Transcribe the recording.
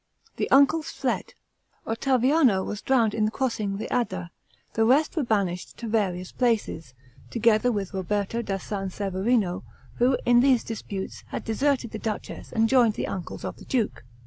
The uncles fled, Ottaviano was drowned in crossing the Adda; the rest were banished to various places, together with Roberto da San Severino, who in these disputes had deserted the duchess and joined the uncles of the duke.